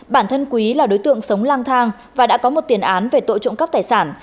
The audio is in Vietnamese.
bản thân quý là đối tượng sống lang thang và đã có một tiền án về tội trộm cắp tài sản